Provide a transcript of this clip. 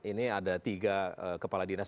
ini ada tiga kepala dinas